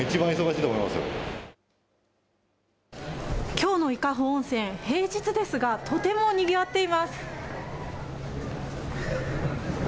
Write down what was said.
きょうの伊香保温泉、平日ですが、とてもにぎわっています。